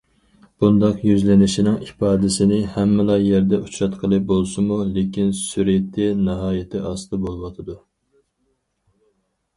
بۇنداق يۈزلىنىشنىڭ ئىپادىسىنى ھەممىلا يەردە ئۇچراتقىلى بولسىمۇ، لېكىن سۈرئىتى ناھايىتى ئاستا بولۇۋاتىدۇ.